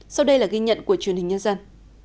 sau đây là ghi nhận của truyền hình nhân dân